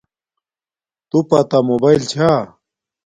توپا تا موباݵل چھا